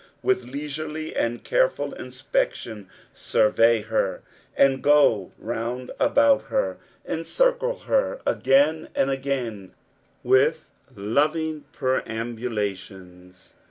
With leisurely and careful inspection survey her. And go roand about Aw." Encircle her again and agam with loving perambulations.